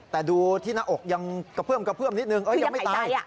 แต่ดูที่หน้าอกยังกระเพื่อมนิดหนึ่งยังไม่ตาย